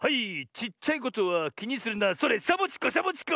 「ちっちゃいことはきにするなそれサボチコサボチコ」